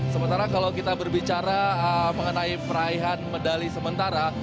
sementara kalau kita berbicara mengenai peraihan medali sementara